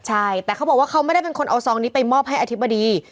ใช่แต่เขาบอกว่าเขาไม่ได้เป็นคนเอาซองนี้ไปมอบให้อธิบดี